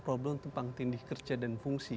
tabung tumpang tindih kerja dan fungsi